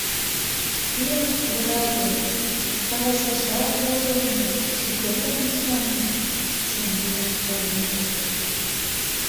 «Эх, ораде, каласашат вожылын-ыс, шукертак мушкам ыле», — семынже воштылале ӱдыр.